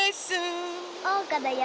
おうかだよ！